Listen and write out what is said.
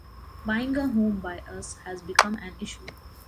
Buying a home by us has become an issue.